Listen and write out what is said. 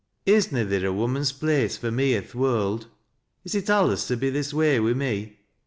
" Is na theer a woman's place fur me i' th' world ? Is it alius to be this way wi' me